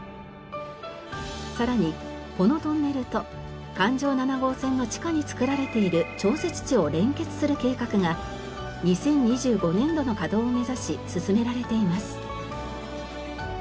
さらにこのトンネルと環状七号線の地下に造られている調節池を連結する計画が２０２５年度の稼働を目指し進められています。